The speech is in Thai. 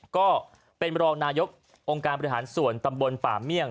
ก็เป็นรองนายกองค์การบริหารส่วนตำบลป่าเมี่ยง